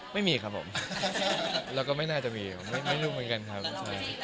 ไม่มีครับผมแล้วก็ไม่น่าจะมีไม่รู้เหมือนกันครับ